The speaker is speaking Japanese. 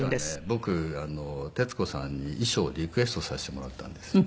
僕徹子さんに衣装リクエストさせてもらったんです。